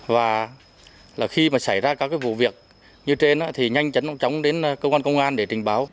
và khi mà xảy ra các vụ việc như trên thì nhanh chấn chống đến công an công an để trình báo